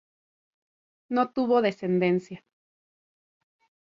No tuvo descendencia.